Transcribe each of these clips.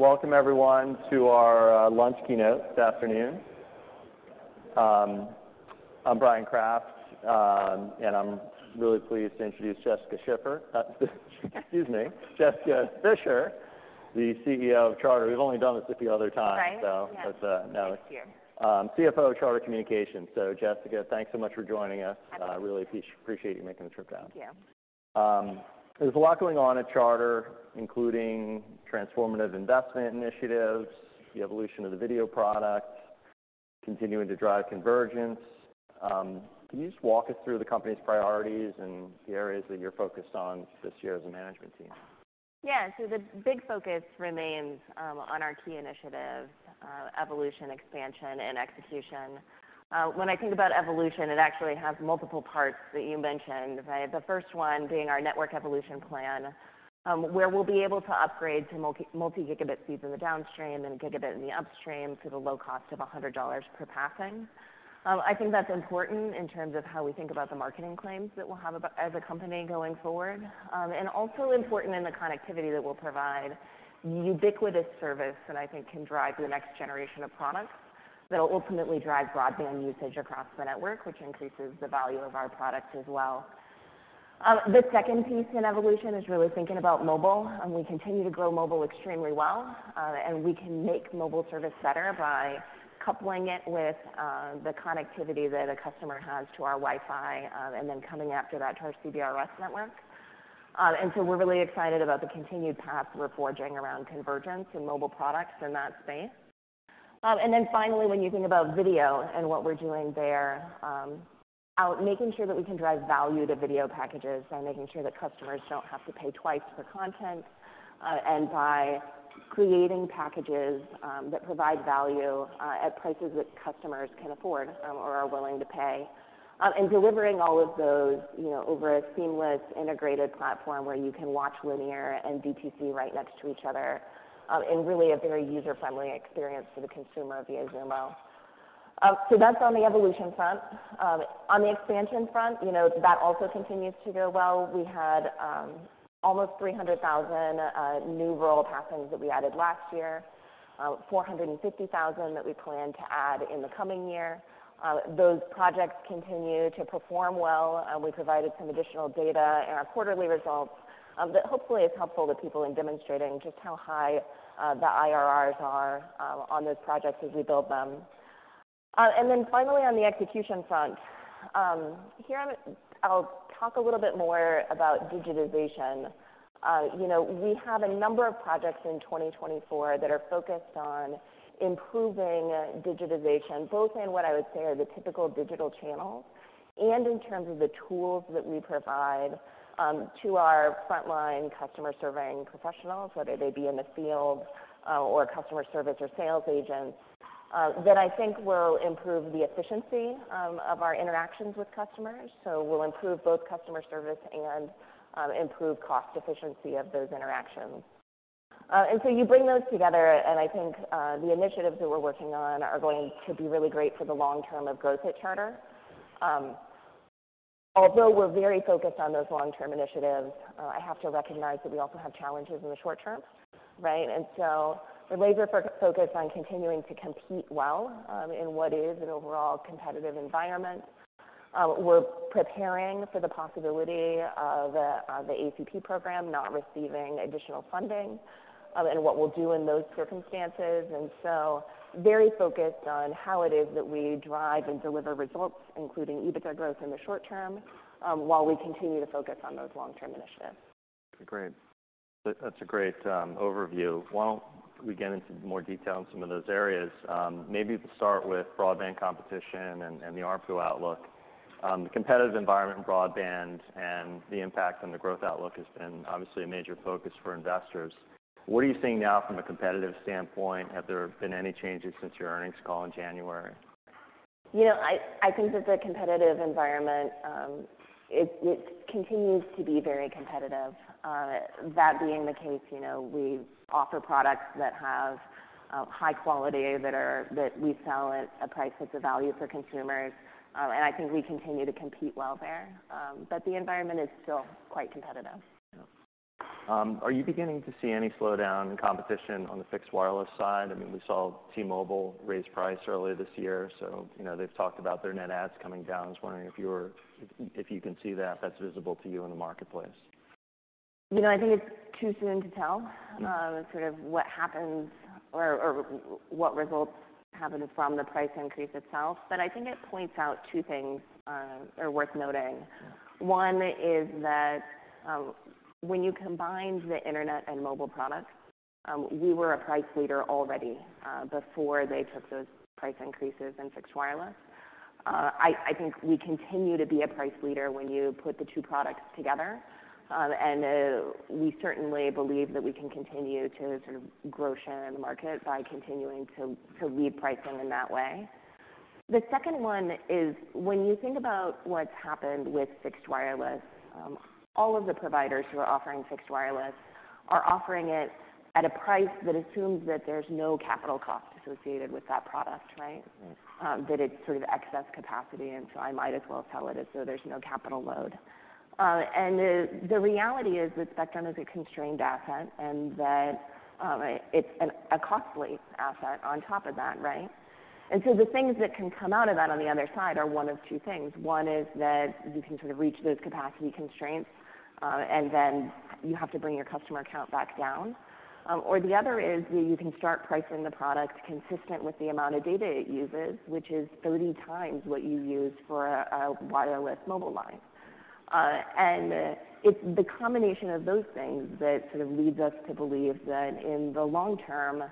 Welcome everyone to our lunch keynote this afternoon. I'm Bryan Kraft, and I'm really pleased to introduce Jessica Fischer. Excuse me, Jessica Fischer, the CEO of Charter. We've only done this a few other times. Right. So that's, Thanks you. CFO of Charter Communications. So Jessica, thanks so much for joining us. Happy to. I really appreciate you making the trip down. Thank you. There's a lot going on at Charter, including transformative investment initiatives, the evolution of the video product, continuing to drive convergence. Can you just walk us through the company's priorities and the areas that you're focused on this year as a management team? Yeah. So the big focus remains on our key initiatives, evolution, expansion, and execution. When I think about evolution, it actually has multiple parts that you mentioned, right? The first one being our network evolution plan, where we'll be able to upgrade to multi-gigabit speeds in the downstream and a gigabit in the upstream for the low cost of $100 per passing. I think that's important in terms of how we think about the marketing claims that we'll have about as a company going forward. And also important in the connectivity that we'll provide, ubiquitous service that I think can drive the next generation of products, that will ultimately drive broadband usage across the network, which increases the value of our product as well. The second piece in evolution is really thinking about mobile, and we continue to grow mobile extremely well, and we can make mobile service better by coupling it with the connectivity that a customer has to our Wi-Fi, and then coming after that, to our CBRS network. And so we're really excited about the continued path we're forging around convergence and mobile products in that space. And then finally, when you think about video and what we're doing there, making sure that we can drive value to video packages by making sure that customers don't have to pay twice for content, and by creating packages that provide value at prices that customers can afford, or are willing to pay. And delivering all of those, you know, over a seamless, integrated platform where you can watch linear and VTC right next to each other, and really a very user-friendly experience for the consumer via Xumo. So that's on the evolution front. On the expansion front, you know, that also continues to go well. We had almost 300,000 new rural passings that we added last year, 450,000 that we plan to add in the coming year. Those projects continue to perform well, and we provided some additional data in our quarterly results that hopefully is helpful to people in demonstrating just how high the IRRs are on those projects as we build them. And then finally, on the execution front, here I'll talk a little bit more about digitization. You know, we have a number of projects in 2024 that are focused on improving digitization, both in what I would say are the typical digital channels, and in terms of the tools that we provide to our frontline customer-serving professionals, whether they be in the field, or customer service or sales agents, that I think will improve the efficiency of our interactions with customers. So we'll improve both customer service and improve cost efficiency of those interactions. And so you bring those together, and I think the initiatives that we're working on are going to be really great for the long term of growth at Charter. Although we're very focused on those long-term initiatives, I have to recognize that we also have challenges in the short term, right? The laser focus on continuing to compete well, in what is an overall competitive environment. We're preparing for the possibility of the ACP program not receiving additional funding, and what we'll do in those circumstances. Very focused on how it is that we drive and deliver results, including EBITDA growth in the short term, while we continue to focus on those long-term initiatives. Great. That's a great overview. Why don't we get into more detail on some of those areas? Maybe to start with broadband competition and, and the ARPU outlook. The competitive environment in broadband and the impact on the growth outlook has been obviously a major focus for investors. What are you seeing now from a competitive standpoint? Have there been any changes since your earnings call in January? You know, I think that the competitive environment, it continues to be very competitive. That being the case, you know, we offer products that have high quality that we sell at a price that's a value for consumers, and I think we continue to compete well there. But the environment is still quite competitive. Yeah. Are you beginning to see any slowdown in competition on the fixed wireless side? I mean, we saw T-Mobile raise price earlier this year. So, you know, they've talked about their net ads coming down. I was wondering if you can see that, that's visible to you in the marketplace. You know, I think it's too soon to tell- Mm-hmm. sort of what happens or what results happen from the price increase itself. But I think it points out two things are worth noting. Yeah. One is that, when you combine the internet and mobile products, we were a price leader already, before they took those price increases in fixed wireless. I think we continue to be a price leader when you put the two products together. And we certainly believe that we can continue to sort of grow share in the market by continuing to lead pricing in that way.... The second one is when you think about what's happened with fixed wireless, all of the providers who are offering fixed wireless are offering it at a price that assumes that there's no capital cost associated with that product, right? That it's sort of excess capacity, and so I might as well sell it as so there's no capital load. And the reality is that Spectrum is a constrained asset and that it's a costly asset on top of that, right? And so the things that can come out of that on the other side are one of two things. One is that you can sort of reach those capacity constraints, and then you have to bring your customer count back down. Or the other is that you can start pricing the product consistent with the amount of data it uses, which is 30 times what you used for a wireless mobile line. It's the combination of those things that sort of leads us to believe that in the long term,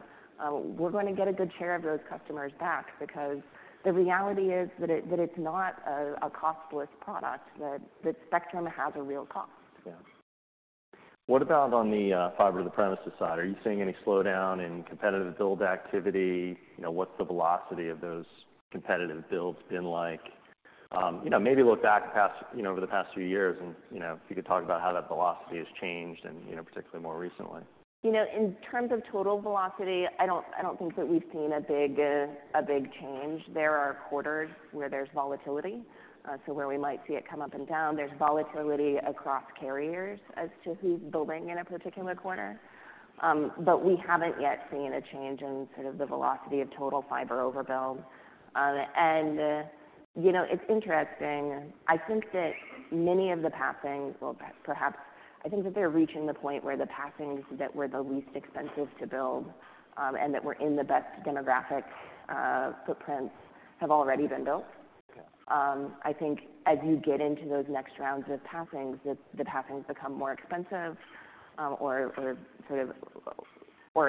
we're going to get a good share of those customers back, because the reality is that it's not a costless product, that the Spectrum has a real cost. Yeah. What about on the fiber to the premises side? Are you seeing any slowdown in competitive build activity? You know, what's the velocity of those competitive builds been like? You know, maybe look back past, you know, over the past few years and, you know, if you could talk about how that velocity has changed and, you know, particularly more recently. You know, in terms of total velocity, I don't, I don't think that we've seen a big, a big change. There are quarters where there's volatility, so where we might see it come up and down. There's volatility across carriers as to who's building in a particular quarter. But we haven't yet seen a change in sort of the velocity of total fiber overbuild. And, you know, it's interesting. I think that many of the passings, well, perhaps I think that they're reaching the point where the passings that were the least expensive to build, and that were in the best demographic, footprints, have already been built. Yeah. I think as you get into those next rounds of passings, the passings become more expensive, or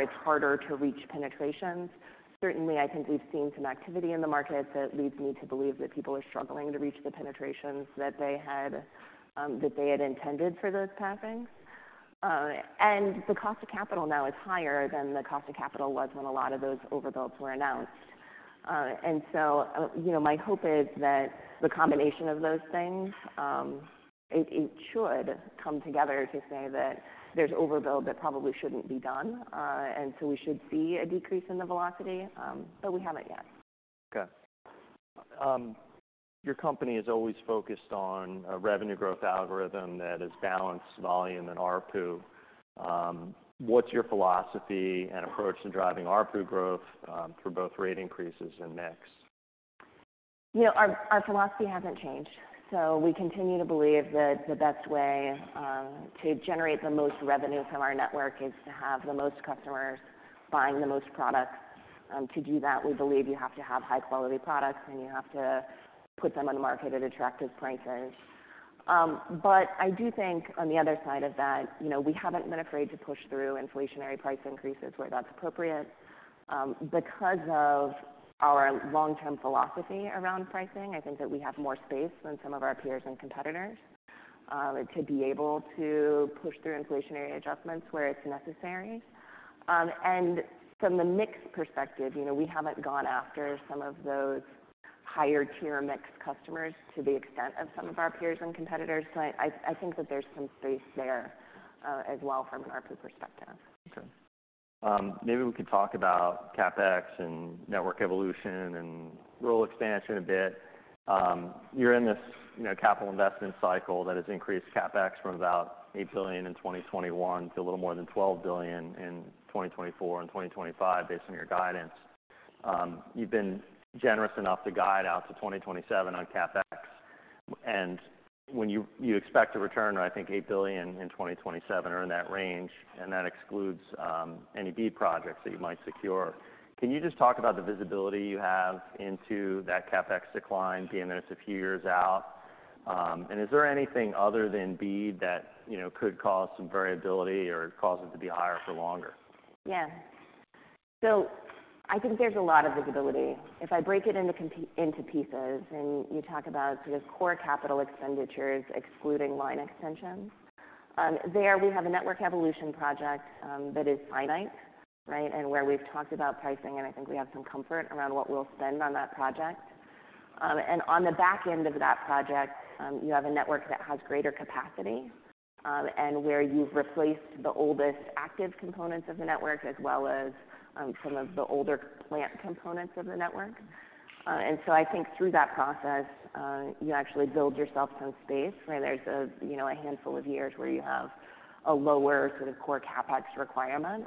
it's harder to reach penetrations. Certainly, I think we've seen some activity in the market that leads me to believe that people are struggling to reach the penetrations that they had intended for those passings. The cost of capital now is higher than the cost of capital was when a lot of those overbuilds were announced. You know, my hope is that the combination of those things should come together to say that there's overbuild that probably shouldn't be done, and so we should see a decrease in the velocity, but we haven't yet. Okay. Your company is always focused on a revenue growth algorithm that is balanced volume and ARPU. What's your philosophy and approach to driving ARPU growth through both rate increases and mix? You know, our philosophy hasn't changed, so we continue to believe that the best way to generate the most revenue from our network is to have the most customers buying the most products. To do that, we believe you have to have high-quality products, and you have to put them on the market at attractive prices. But I do think on the other side of that, you know, we haven't been afraid to push through inflationary price increases where that's appropriate. Because of our long-term philosophy around pricing, I think that we have more space than some of our peers and competitors to be able to push through inflationary adjustments where it's necessary. And from the mix perspective, you know, we haven't gone after some of those higher tier mix customers to the extent of some of our peers and competitors, so I think that there's some space there, as well, from an ARPU perspective. Okay. Maybe we could talk about CapEx and network evolution and rural expansion a bit. You're in this, you know, capital investment cycle that has increased CapEx from about $8 billion in 2021 to a little more than $12 billion in 2024 and 2025, based on your guidance. You've been generous enough to guide out to 2027 on CapEx. And when you- you expect to return, I think, $8 billion in 2027 or in that range, and that excludes any BEAD projects that you might secure. Can you just talk about the visibility you have into that CapEx decline, being that it's a few years out? And is there anything other than BEAD that, you know, could cause some variability or cause it to be higher for longer? Yeah. So I think there's a lot of visibility. If I break it into pieces, and you talk about sort of core capital expenditures, excluding line extensions, there we have a network evolution project, that is finite, right? And where we've talked about pricing, and I think we have some comfort around what we'll spend on that project. And on the back end of that project, you have a network that has greater capacity, and where you've replaced the oldest active components of the network, as well as, some of the older plant components of the network. And so I think through that process, you actually build yourself some space where there's a, you know, a handful of years where you have a lower sort of core CapEx requirement,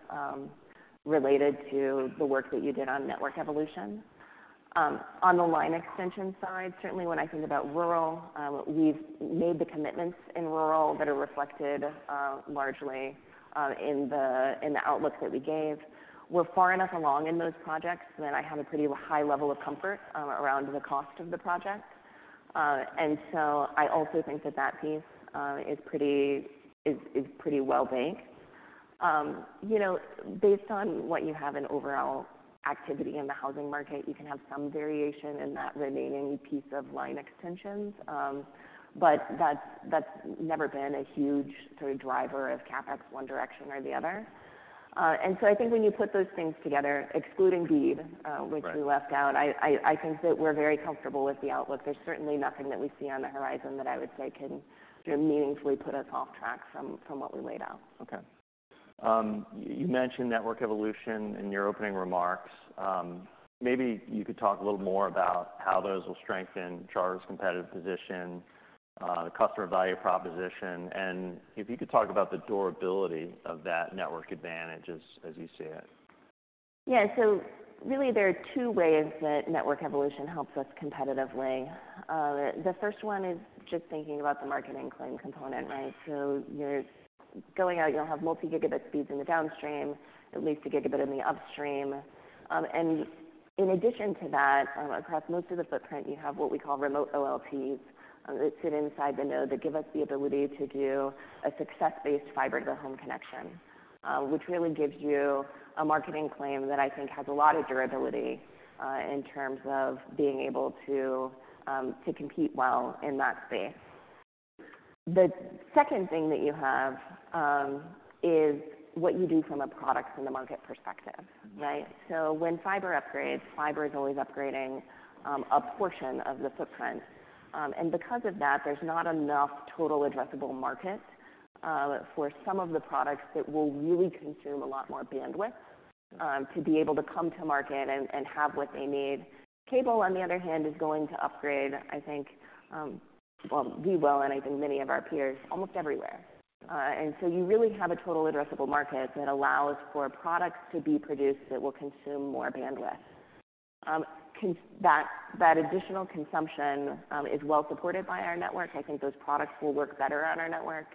related to the work that you did on network evolution. On the line extension side, certainly when I think about rural, we've made the commitments in rural that are reflected, largely, in the outlook that we gave. We're far enough along in those projects that I have a pretty high level of comfort, around the cost of the project. And so I also think that that piece is pretty well banked. You know, based on what you have in overall activity in the housing market, you can have some variation in that remaining piece of line extensions, but that's never been a huge sort of driver of CapEx one direction or the other. And so I think when you put those things together, excluding BEAD, Right. -which we left out, I think that we're very comfortable with the outlook. There's certainly nothing that we see on the horizon that I would say can meaningfully put us off track from what we laid out. Okay. You mentioned network evolution in your opening remarks. Maybe you could talk a little more about how those will strengthen Charter's competitive position, the customer value proposition, and if you could talk about the durability of that network advantage as you see it. Yeah. So really there are two ways that network evolution helps us competitively. The first one is just thinking about the marketing claim component, right? So you're going out, you'll have multi-gigabit speeds in the downstream, at least a gigabit in the upstream. And in addition to that, across most of the footprint, you have what we call remote OLTs that sit inside the node, that give us the ability to do a success-based fiber-to-home connection, which really gives you a marketing claim that I think has a lot of durability, in terms of being able to, to compete well in that space. The second thing that you have, is what you do from a products in the market perspective, right? So when fiber upgrades, fiber is always upgrading, a portion of the footprint. Because of that, there's not enough total addressable market for some of the products that will really consume a lot more bandwidth to be able to come to market and have what they need. Cable, on the other hand, is going to upgrade, I think, well, we will, and I think many of our peers, almost everywhere. So you really have a total addressable market that allows for products to be produced that will consume more bandwidth. That additional consumption is well supported by our network. I think those products will work better on our network,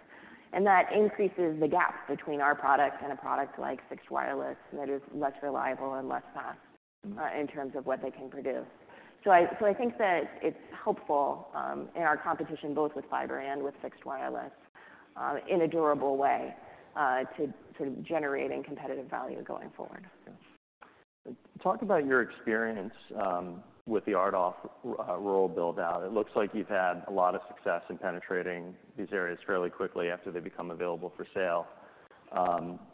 and that increases the gap between our product and a product like fixed wireless that is less reliable and less fast in terms of what they can produce. So I think that it's helpful in our competition, both with fiber and with fixed wireless, in a durable way to sort of generating competitive value going forward. Talk about your experience with the RDOF rural build-out. It looks like you've had a lot of success in penetrating these areas fairly quickly after they become available for sale.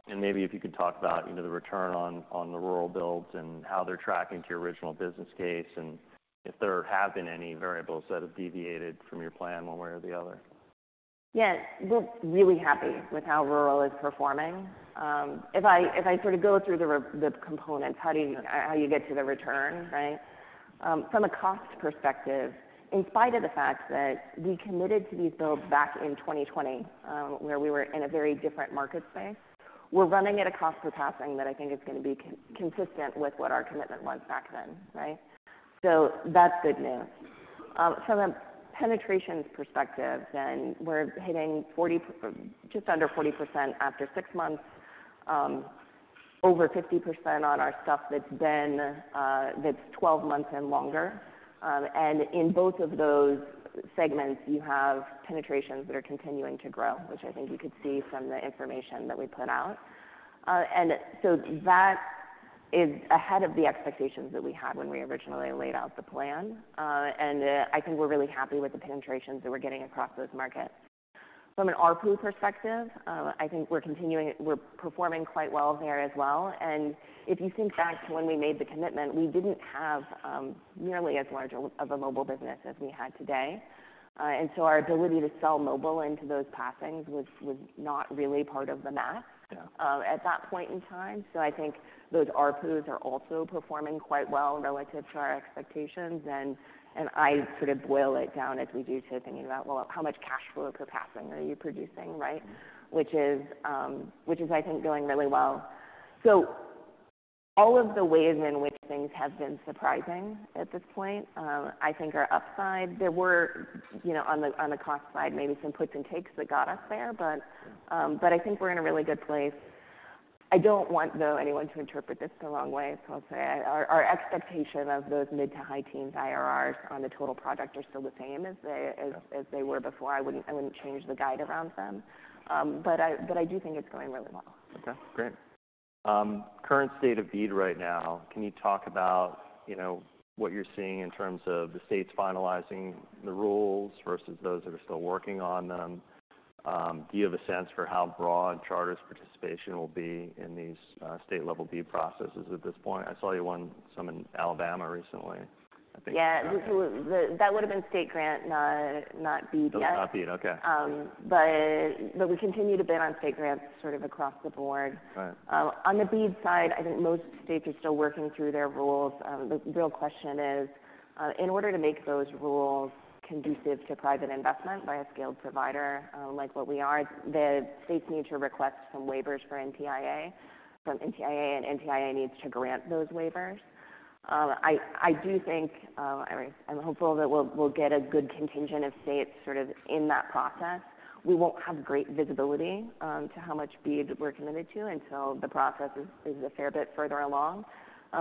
Maybe if you could talk about, you know, the return on the rural builds and how they're tracking to your original business case, and if there have been any variables that have deviated from your plan one way or the other. Yes. We're really happy with how rural is performing. If I sort of go through the components, how you get to the return, right? From a cost perspective, in spite of the fact that we committed to these builds back in 2020, where we were in a very different market space, we're running at a cost per passing that I think is gonna be consistent with what our commitment was back then, right? So that's good news. From a penetration perspective, then, we're hitting 40, just under 40% after six months, over 50% on our stuff that's been 12 months and longer. And in both of those segments, you have penetrations that are continuing to grow, which I think you could see from the information that we put out. And so that is ahead of the expectations that we had when we originally laid out the plan. And I think we're really happy with the penetrations that we're getting across those markets. From an ARPU perspective, I think we're continuing... We're performing quite well there as well. And if you think back to when we made the commitment, we didn't have nearly as large a mobile business as we had today. And so our ability to sell mobile into those passings was not really part of the math- Yeah... at that point in time. So I think those ARPUs are also performing quite well relative to our expectations. And I sort of boil it down, as we do, to thinking about, well, how much cash flow per passing are you producing, right? Which is, which is, I think, going really well. So all of the ways in which things have been surprising at this point, I think are upside. There were, you know, on the, on the cost side, maybe some puts and takes that got us there, but, but I think we're in a really good place. I don't want, though, anyone to interpret this the wrong way, so I'll say our, our expectation of those mid- to high-teens IRRs on the total project are still the same as they- Yeah... as they were before. I wouldn't change the guide around them. But I do think it's going really well. Okay, great. Current state of BEAD right now, can you talk about, you know, what you're seeing in terms of the states finalizing the rules versus those that are still working on them? Do you have a sense for how broad Charter's participation will be in these state-level BEAD processes at this point? I saw you won some in Alabama recently, I think. Yeah. That would have been state grant, not, not BEAD yet. Not BEAD. Okay. But we continue to bid on state grants sort of across the board. Right. On the BEAD side, I think most states are still working through their rules. The real question is, in order to make those rules conducive to private investment by a skilled provider, like what we are, the states need to request some waivers from NTIA, from NTIA, and NTIA needs to grant those waivers. I do think I'm hopeful that we'll get a good contingent of states sort of in that process. We won't have great visibility to how much BEAD we're committed to until the process is a fair bit further along.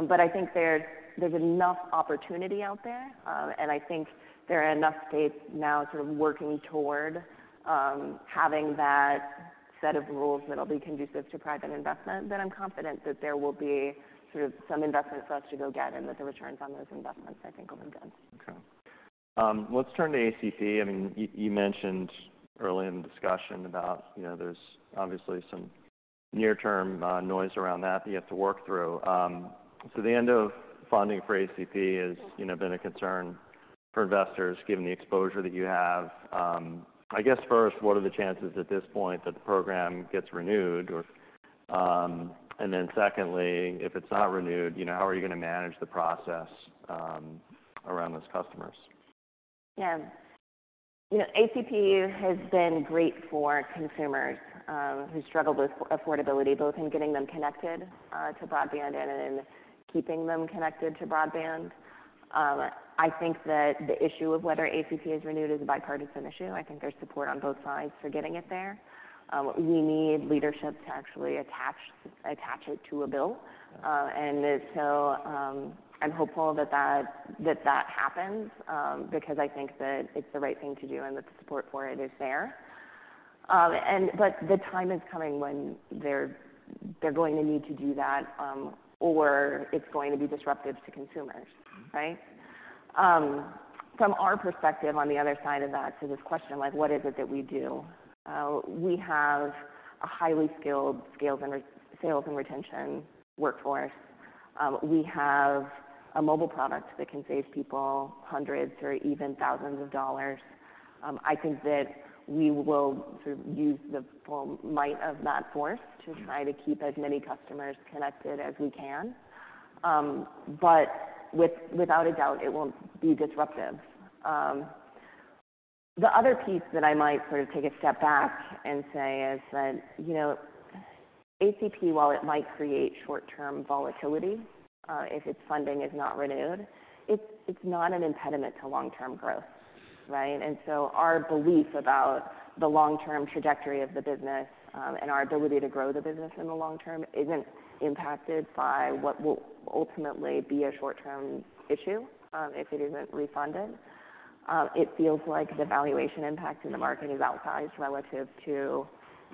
But I think there's enough opportunity out there, and I think there are enough states now sort of working toward having that set of rules that'll be conducive to private investment, that I'm confident that there will be sort of some investment for us to go get, and that the returns on those investments, I think, will be good. Okay.... Let's turn to ACP. I mean, you, you mentioned early in the discussion about, you know, there's obviously some near-term, noise around that, that you have to work through. So the end of funding for ACP has, you know, been a concern for investors, given the exposure that you have. I guess first, what are the chances at this point that the program gets renewed or... And then secondly, if it's not renewed, you know, how are you gonna manage the process, around those customers? Yeah. You know, ACP has been great for consumers who struggled with affordability, both in getting them connected to broadband and in keeping them connected to broadband. I think that the issue of whether ACP is renewed is a bipartisan issue. I think there's support on both sides for getting it there. We need leadership to actually attach it to a bill, and so I'm hopeful that that happens because I think that it's the right thing to do, and the support for it is there. But the time is coming when they're going to need to do that or it's going to be disruptive to consumers, right? From our perspective, on the other side of that, to this question, like, what is it that we do? We have a highly skilled sales and retention workforce. We have a mobile product that can save people hundreds or even thousands of dollars. I think that we will sort of use the full might of that force to try to keep as many customers connected as we can. But without a doubt, it won't be disruptive. The other piece that I might sort of take a step back and say is that, you know, ACP, while it might create short-term volatility, if its funding is not renewed, it's not an impediment to long-term growth, right? So our belief about the long-term trajectory of the business and our ability to grow the business in the long term isn't impacted by what will ultimately be a short-term issue, if it isn't refunded. It feels like the valuation impact in the market is outsized relative to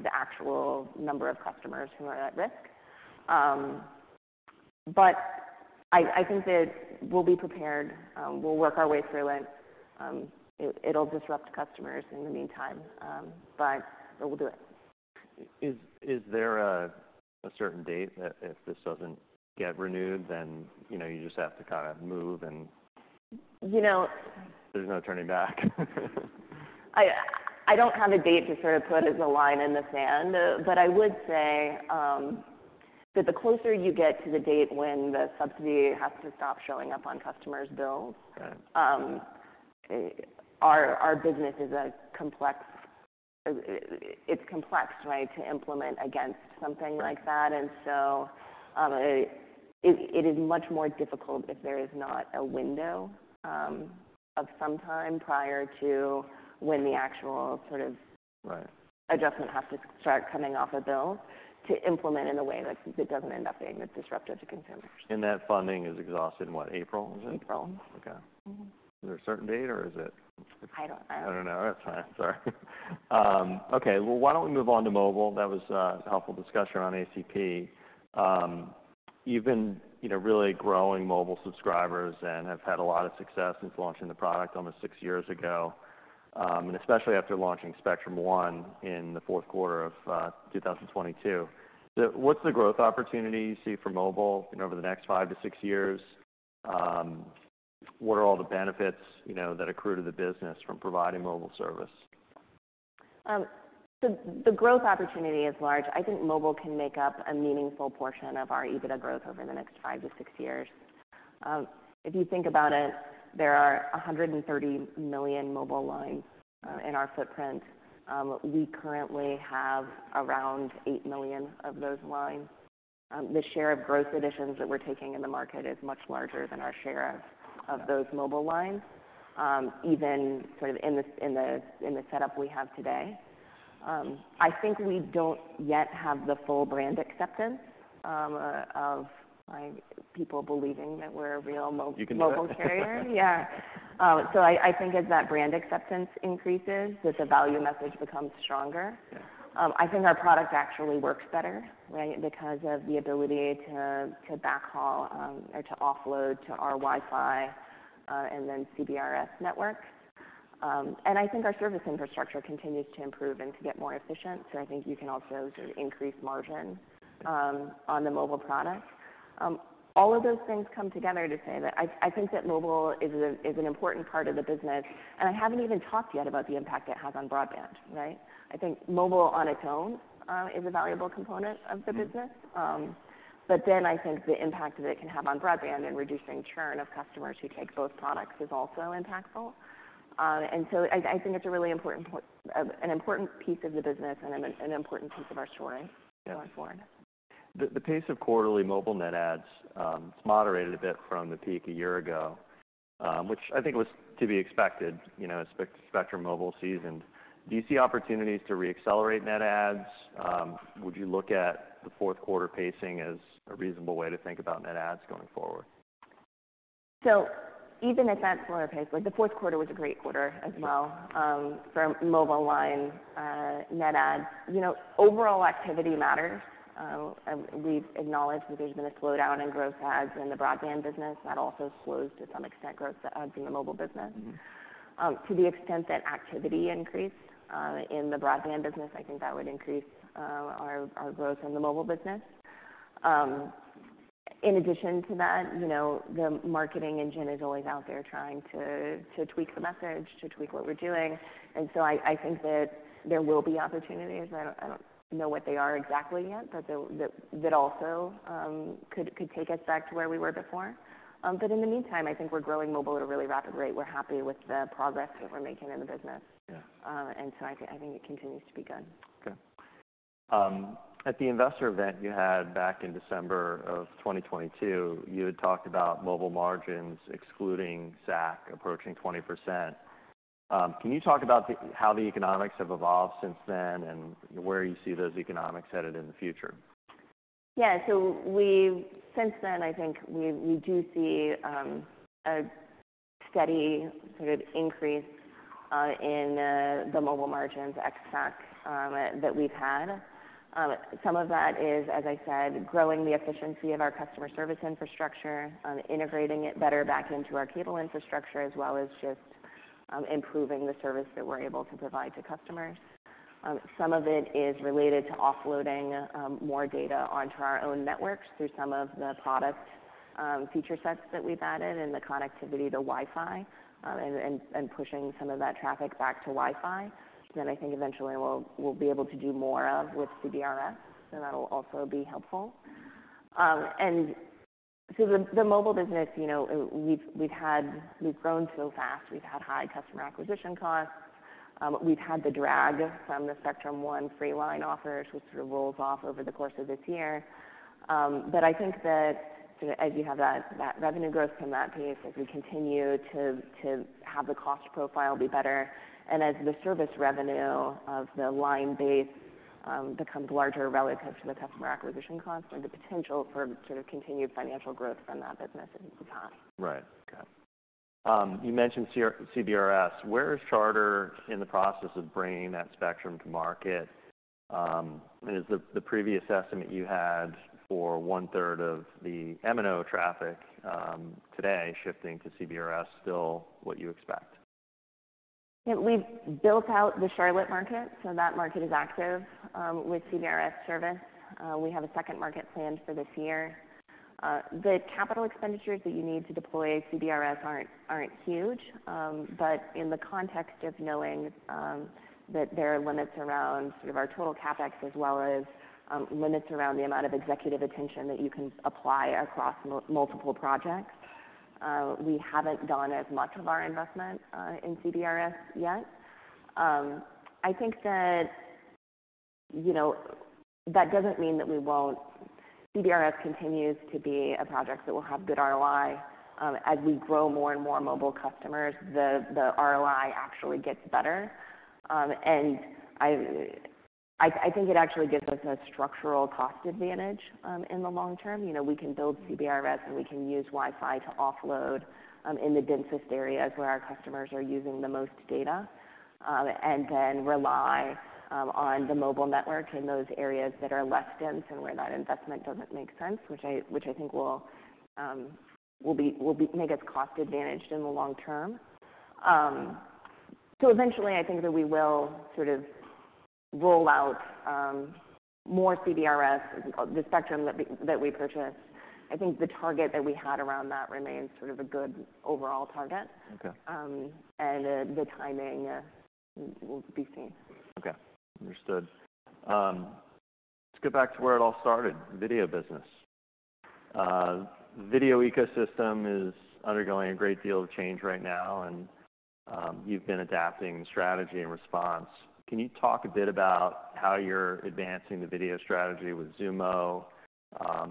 the actual number of customers who are at risk. But I think that we'll be prepared. We'll work our way through it. It'll disrupt customers in the meantime, but we'll do it. Is there a certain date that if this doesn't get renewed, then, you know, you just have to kind of move and- You know- There's no turning back? I don't have a date to sort of put as a line in the sand, but I would say that the closer you get to the date when the subsidy has to stop showing up on customers' bills- Okay. Our business is complex; it's complex, right, to implement against something like that. And so, it is much more difficult if there is not a window of some time prior to when the actual sort of- Right... adjustment has to start coming off a bill to implement in a way that doesn't end up being disruptive to consumers. That funding is exhausted in what? April, is it? April. Okay. Mm-hmm. Is there a certain date, or is it- I don't know. I don't know. That's fine. Sorry. Okay. Well, why don't we move on to mobile? That was a helpful discussion on ACP. You've been, you know, really growing mobile subscribers and have had a lot of success since launching the product almost six years ago, and especially after launching Spectrum One in the fourth quarter of 2022. What's the growth opportunity you see for mobile and over the next five to six years? What are all the benefits, you know, that accrue to the business from providing mobile service? The growth opportunity is large. I think mobile can make up a meaningful portion of our EBITDA growth over the next five-six years. If you think about it, there are 130 million mobile lines in our footprint. We currently have around 8 million of those lines. The share of growth additions that we're taking in the market is much larger than our share of those mobile lines, even sort of in the setup we have today. I think we don't yet have the full brand acceptance of, like, people believing that we're a real mo- You can do it. Mobile carrier. Yeah. So I think as that brand acceptance increases, that the value message becomes stronger. Yeah. I think our product actually works better, right? Because of the ability to backhaul, or to offload to our Wi-Fi, and then CBRS network. And I think our service infrastructure continues to improve and to get more efficient, so I think you can also sort of increase margin on the mobile product. All of those things come together to say that I think that mobile is an important part of the business, and I haven't even talked yet about the impact it has on broadband, right? I think mobile on its own is a valuable component of the business. Mm-hmm. But then I think the impact that it can have on broadband and reducing churn of customers who take both products is also impactful. And so I think it's a really important an important piece of the business and an important piece of our story- Yeah... going forward. The pace of quarterly mobile net adds, it's moderated a bit from the peak a year ago, which I think was to be expected, you know, as Spectrum Mobile seasoned. Do you see opportunities to reaccelerate net adds? Would you look at the fourth quarter pacing as a reasonable way to think about net adds going forward? So even at that slower pace, like the fourth quarter was a great quarter as well- Yeah For mobile line net adds. You know, overall activity matters. We've acknowledged that there's been a slowdown in growth adds in the broadband business. That also slows, to some extent, growth in the mobile business. Mm-hmm.... to the extent that activity increased in the broadband business, I think that would increase our growth in the mobile business. In addition to that, you know, the marketing engine is always out there trying to tweak the message, to tweak what we're doing. And so I think that there will be opportunities. I don't know what they are exactly yet, but that also could take us back to where we were before. But in the meantime, I think we're growing mobile at a really rapid rate. We're happy with the progress that we're making in the business. Yeah. And so I think it continues to be good. Okay. At the investor event you had back in December of 2022, you had talked about mobile margins, excluding SAC, approaching 20%. Can you talk about how the economics have evolved since then and where you see those economics headed in the future? Yeah. So we've since then, I think we do see a steady sort of increase in the mobile margins, ex SAC, that we've had. Some of that is, as I said, growing the efficiency of our customer service infrastructure, integrating it better back into our cable infrastructure, as well as just improving the service that we're able to provide to customers. Some of it is related to offloading more data onto our own networks through some of the product feature sets that we've added and the connectivity to Wi-Fi, and pushing some of that traffic back to Wi-Fi. That I think eventually we'll be able to do more of with CBRS, so that'll also be helpful. And so the mobile business, you know, we've had... We've grown so fast. We've had high customer acquisition costs. We've had the drag from the Spectrum One free line offers, which sort of rolls off over the course of this year. But I think that sort of as you have that, that revenue growth from that base, as we continue to, to have the cost profile be better, and as the service revenue of the line base, becomes larger relative to the customer acquisition costs and the potential for sort of continued financial growth from that business is high. Right. Okay. You mentioned CBRS. Where is Charter in the process of bringing that Spectrum to market? Is the previous estimate you had for one third of the MNO traffic today shifting to CBRS still what you expect? Yeah, we've built out the Charlotte market, so that market is active with CBRS service. We have a second market planned for this year. The capital expenditures that you need to deploy CBRS aren't huge, but in the context of knowing that there are limits around sort of our total CapEx, as well as limits around the amount of executive attention that you can apply across multiple projects, we haven't done as much of our investment in CBRS yet. I think that, you know, that doesn't mean that we won't. CBRS continues to be a project that will have good ROI. As we grow more and more mobile customers, the ROI actually gets better. And I think it actually gives us a structural cost advantage in the long term. You know, we can build CBRS, and we can use Wi-Fi to offload in the densest areas where our customers are using the most data, and then rely on the mobile network in those areas that are less dense and where that investment doesn't make sense, which I, which I think will make us cost advantaged in the long term. So eventually, I think that we will sort of roll out more CBRS, the Spectrum that we, that we purchased. I think the target that we had around that remains sort of a good overall target. Okay. The timing will be seen. Okay, understood. Let's get back to where it all started, the video business. Video ecosystem is undergoing a great deal of change right now, and you've been adapting the strategy and response. Can you talk a bit about how you're advancing the video strategy with Xumo,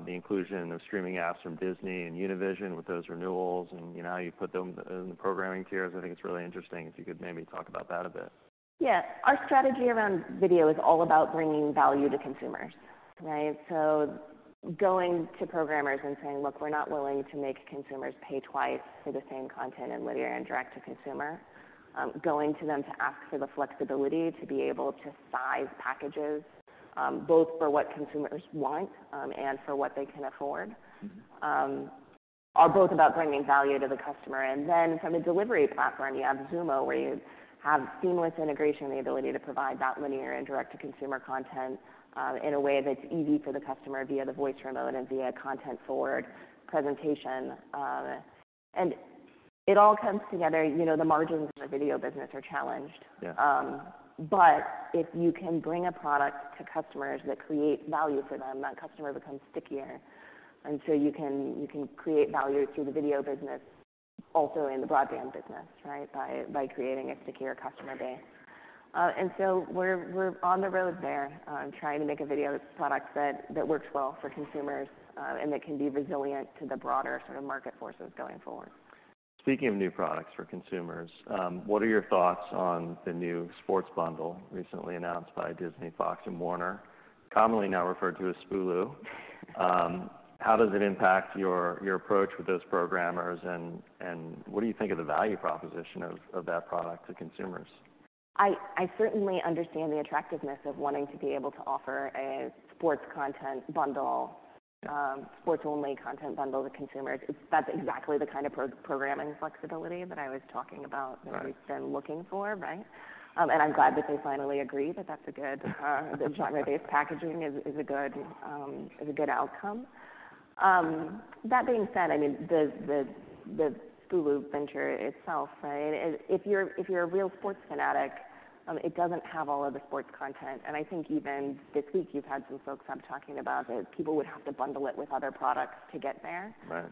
the inclusion of streaming apps from Disney and Univision with those renewals, and, you know, how you put them in the programming tiers? I think it's really interesting, if you could maybe talk about that a bit. Yeah. Our strategy around video is all about bringing value to consumers, right? So going to programmers and saying: Look, we're not willing to make consumers pay twice for the same content in linear and direct-to-consumer. Going to them to ask for the flexibility to be able to size packages, both for what consumers want, and for what they can afford, are both about bringing value to the customer. And then from a delivery platform, you have Xumo, where you have seamless integration and the ability to provide that linear and direct-to-consumer content, in a way that's easy for the customer via the voice remote and via content forward presentation. And it all comes together. You know, the margins in the video business are challenged. Yeah. But if you can bring a product to customers that create value for them, that customer becomes stickier. And so you can, you can create value through the video business, also in the broadband business, right? By, by creating a stickier customer base. And so we're, we're on the road there, trying to make a video product that, that works well for consumers, and that can be resilient to the broader sort of market forces going forward. Speaking of new products for consumers, what are your thoughts on the new sports bundle recently announced by Disney, Fox, and Warner, commonly now referred to as Spulu? How does it impact your approach with those programmers, and what do you think of the value proposition of that product to consumers?... I certainly understand the attractiveness of wanting to be able to offer a sports content bundle, sports-only content bundle to consumers. That's exactly the kind of pro- programming flexibility that I was talking about- Right. -that we've been looking for, right? And I'm glad that they finally agree that that's a good genre-based packaging is a good outcome. That being said, I mean, the Hulu venture itself, right? If you're a real sports fanatic, it doesn't have all of the sports content, and I think even this week you've had some folks up talking about that people would have to bundle it with other products to get there. Right.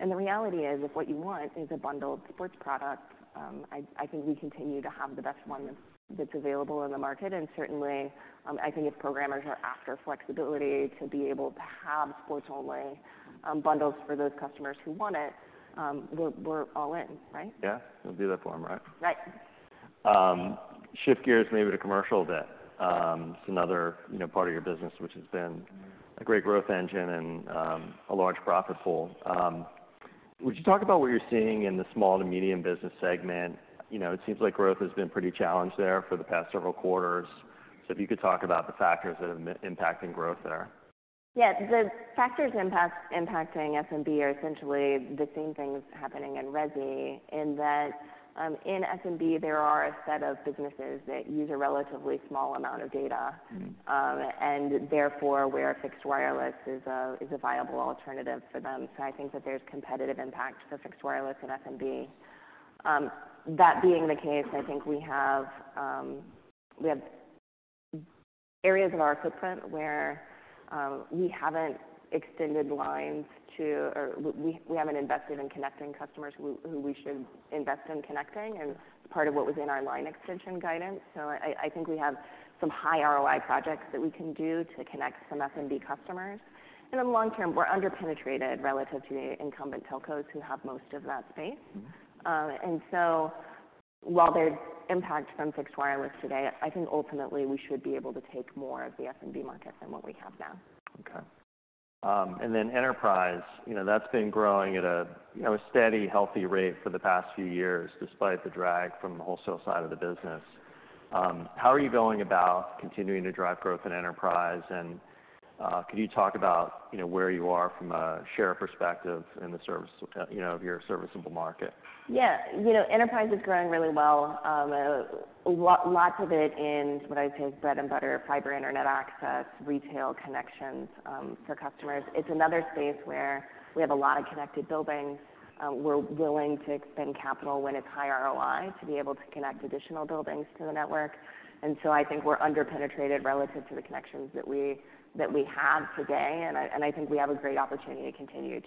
And the reality is, if what you want is a bundled sports product, I think we continue to have the best one that's available in the market, and certainly, I think if programmers are after flexibility to be able to have sports-only bundles for those customers who want it, we're all in, right? Yeah. We'll do that for them, right? Right. Shift gears maybe to commercial a bit. It's another, you know, part of your business which has been a great growth engine and, a large profit pool. Would you talk about what you're seeing in the small to medium business segment? You know, it seems like growth has been pretty challenged there for the past several quarters. So if you could talk about the factors that have been impacting growth there. Yes. The factors impacting S&B are essentially the same things happening in resi, in that, in S&B, there are a set of businesses that use a relatively small amount of data. Mm-hmm. And therefore, where fixed wireless is a viable alternative for them. So I think that there's competitive impact for fixed wireless and S&B. That being the case, I think we have areas of our footprint where we haven't extended lines to, or we haven't invested in connecting customers who we should invest in connecting, and part of what was in our line extension guidance. So I think we have some high ROI projects that we can do to connect some S&B customers. And in the long term, we're under-penetrated relative to the incumbent telcos who have most of that space. Mm-hmm. And so while there's impact from fixed wireless today, I think ultimately we should be able to take more of the S&B market than what we have now. Okay. And then enterprise, you know, that's been growing at a, you know, a steady, healthy rate for the past few years, despite the drag from the wholesale side of the business. How are you going about continuing to drive growth in enterprise? And, could you talk about, you know, where you are from a share perspective in the service, you know, of your serviceable market? Yeah. You know, enterprise is growing really well. A lot, lots of it in what I'd say, bread and butter, fiber, internet access, retail connections, for customers. It's another space where we have a lot of connected buildings. We're willing to spend capital when it's high ROI to be able to connect additional buildings to the network. And so I think we're under-penetrated relative to the connections that we have today, and I think we have a great opportunity to continue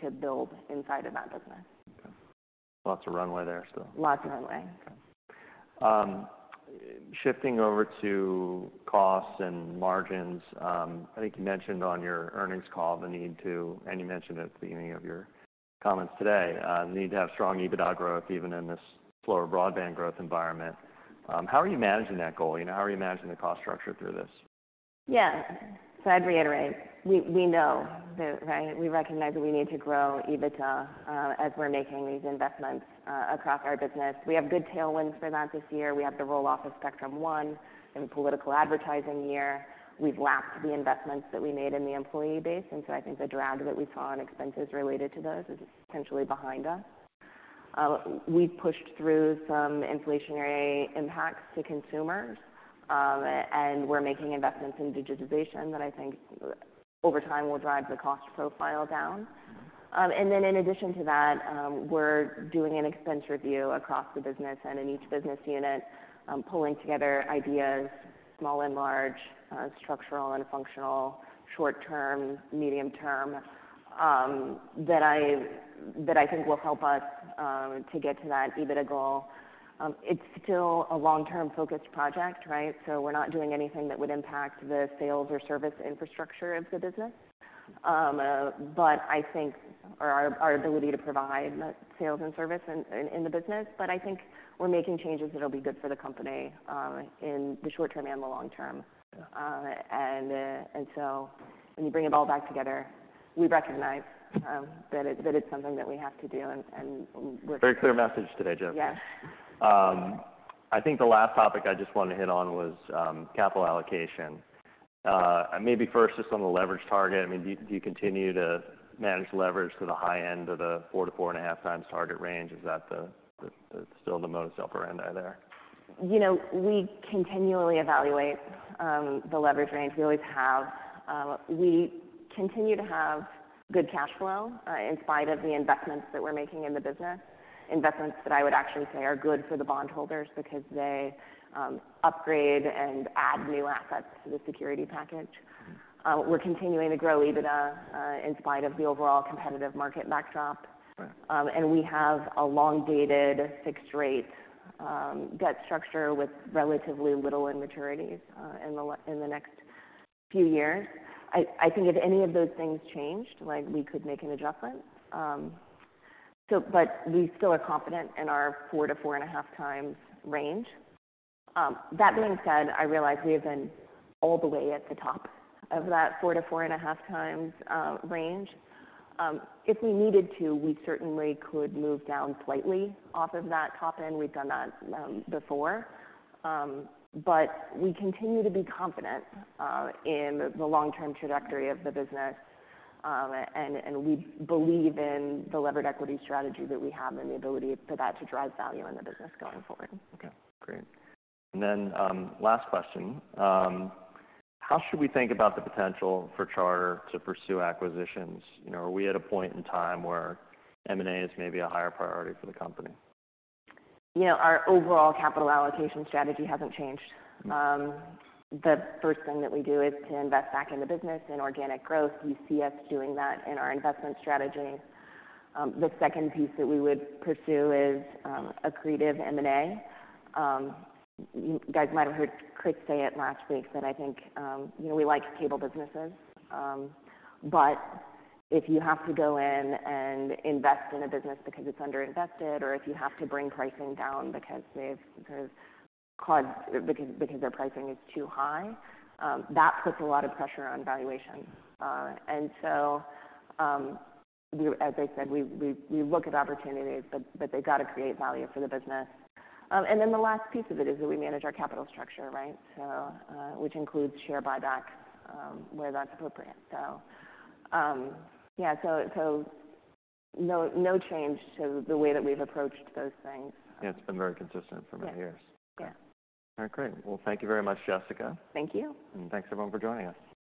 to build inside of that business. Okay. Lots of runway there still. Lots of runway. Okay. Shifting over to costs and margins, I think you mentioned on your earnings call the need to, and you mentioned it at the beginning of your comments today, the need to have strong EBITDA growth even in this slower broadband growth environment. How are you managing that goal? You know, how are you managing the cost structure through this? Yeah. So I'd reiterate, we, we know that, right? We recognize that we need to grow EBITDA as we're making these investments across our business. We have good tailwinds for that this year. We have the roll off of Spectrum One and political advertising year. We've lapped the investments that we made in the employee base, and so I think the drag that we saw on expenses related to those is potentially behind us. We've pushed through some inflationary impacts to consumers, and we're making investments in digitization that I think over time will drive the cost profile down. Mm-hmm. And then in addition to that, we're doing an expense review across the business and in each business unit, pulling together ideas, small and large, structural and functional, short-term, medium-term, that I think will help us to get to that EBITDA goal. It's still a long-term focused project, right? So we're not doing anything that would impact the sales or service infrastructure of the business. But I think or our ability to provide sales and service in the business, but I think we're making changes that will be good for the company in the short term and the long term. And so when you bring it all back together, we recognize that it's something that we have to do and Very clear message today, Jess. Yes. I think the last topic I just wanted to hit on was capital allocation. Maybe first, just on the leverage target, I mean, do you, do you continue to manage leverage to the high end of the four -4.5 times target range? Is that still the modus operandi there? You know, we continually evaluate the leverage range. We always have. We continue to have good cash flow in spite of the investments that we're making in the business. Investments that I would actually say are good for the bondholders because they upgrade and add new assets to the security package. Mm-hmm. We're continuing to grow EBITDA, in spite of the overall competitive market backdrop. Right. And we have a long-dated fixed rate debt structure with relatively little in maturities in the next few years. I think if any of those things changed, like, we could make an adjustment. But we still are confident in our four-4.5 times range. That being said, I realize we have been all the way at the top of that 4-4.5 times range. If we needed to, we certainly could move down slightly off of that top end. We've done that before. But we continue to be confident in the long-term trajectory of the business, and we believe in the levered equity strategy that we have and the ability for that to drive value in the business going forward. Okay, great. And then, last question. How should we think about the potential for Charter to pursue acquisitions? You know, are we at a point in time where M&A is maybe a higher priority for the company? You know, our overall capital allocation strategy hasn't changed. Mm-hmm. The first thing that we do is to invest back in the business, in organic growth. You see us doing that in our investment strategy. The second piece that we would pursue is accretive M&A. You guys might have heard Chris say it last week, that I think, you know, we like cable businesses, but if you have to go in and invest in a business because it's underinvested, or if you have to bring pricing down because they've their pricing is too high, that puts a lot of pressure on valuation. And so, we, as I said, we look at opportunities, but they got to create value for the business. And then the last piece of it is that we manage our capital structure, right? So, which includes share buyback, where that's appropriate. So, yeah, no change to the way that we've approached those things. Yeah, it's been very consistent for many years. Yeah. All right, great. Well, thank you very much, Jessica. Thank you. Thanks, everyone, for joining us.